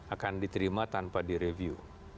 akan diterima tanpa direview